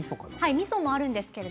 みそもあります。